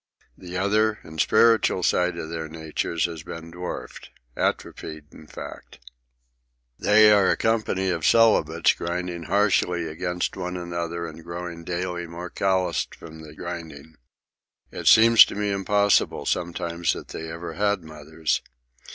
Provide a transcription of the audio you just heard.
The other and spiritual side of their natures has been dwarfed—atrophied, in fact. They are a company of celibates, grinding harshly against one another and growing daily more calloused from the grinding. It seems to me impossible sometimes that they ever had mothers.